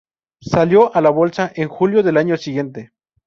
Salió a la bolsa en julio del año siguiente.